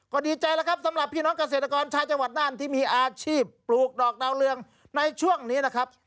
ก็ดีใจแล้วครับสำหรับพี่น้องเกษตรกรชาวจังหวัดน่านที่มีอาชีพปลูกดอกดาวเรืองในช่วงนี้นะครับ